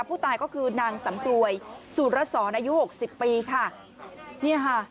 ผู้ตายก็คือนางสำรวยสุรสรอายุหกสิบปีค่ะเนี่ยค่ะ